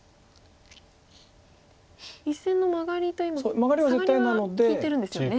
１線のマガリと今サガリは利いてるんですよね。